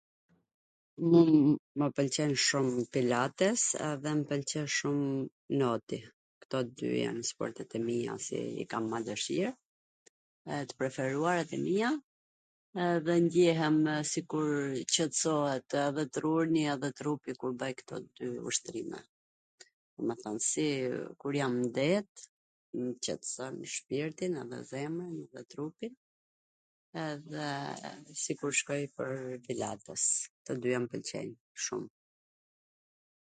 Mu mw pwlqen shum pilates dhe mw pwlqen shum noti, kto t dyja jan sportet e mia qw i kam mw dwshir e t preferumet e mija edhe ndjehemw sikur qetsohet edhe truni edhe trupi kur bwj kto dy ushtrime, domethwn si kur jam n det mw qetson shpirtin edhe zemnwn edhe trupin, edhe si kur shkoj pwr pilates, tw dyja m pwlqejn shum.